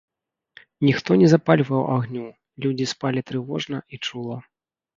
Ніхто не запальваў агню, людзі спалі трывожна і чула.